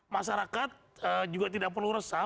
masyarakat juga tidak perlu resah